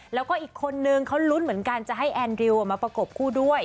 แล้วก็อีกคนนึงเขาลุ้นเหมือนกันจะให้แอนดริวมาประกบคู่ด้วย